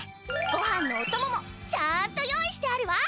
ごはんのおとももちゃんと用意してあるわ！